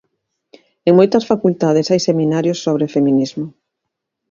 En moitas facultades hai seminarios sobre feminismo.